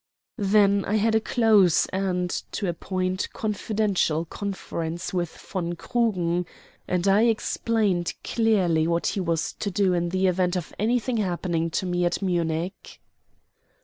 Then I had a close and, to a point, confidential conference with von Krugen; and I explained clearly what he was to do in the event of anything happening to me at Munich.